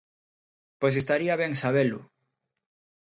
Pois estaría ben sabelo.